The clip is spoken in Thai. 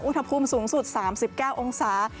อุณหภูมิสูงสุด๓๙องศา